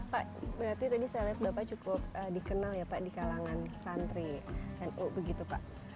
pak berarti tadi saya lihat bapak cukup dikenal ya pak di kalangan santri nu begitu pak